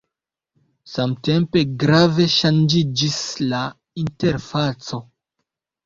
Samtempe grave ŝanĝiĝis la interfaco.